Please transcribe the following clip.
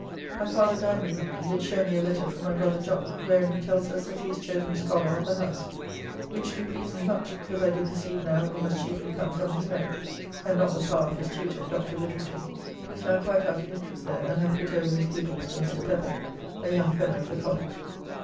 My father dined with me and did show me a letter from my brother John, wherein he tells us that he is chosen Schollar of the house,' which do please me much, because I do perceive now it must chiefly come from his merit and not the power of his Tutor, Dr. Widdrington, who is now quite out of interest there and hath put over his pupils to Mr. Pepper, a young Fellow of the College.